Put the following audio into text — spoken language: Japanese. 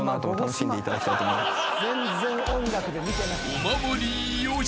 ［お守りよし］